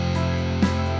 balik kanan bubar jalan